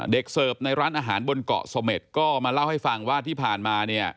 เสิร์ฟในร้านอาหารบนเกาะเสม็ดก็มาเล่าให้ฟังว่าที่ผ่านมาเนี่ย